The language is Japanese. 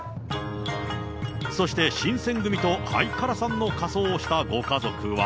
そして新選組とハイカラさんの仮装をしたご家族は。